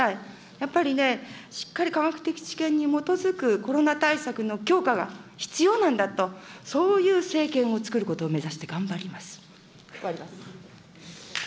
やっぱりね、しっかり科学的知見に基づくコロナ対策の強化が必要なんだと、そういう政権をつくることを目指して頑張ります。